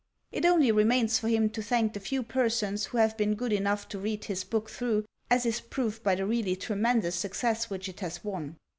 It only remains for him to thank the few persons who have been good enough to read his book through, as is proved by the really tremendous success which it has won ; PREFACE TO THE SECOND EDITION.